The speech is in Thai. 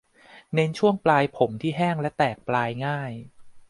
เน้นช่วงปลายผมที่แห้งและแตกปลายง่าย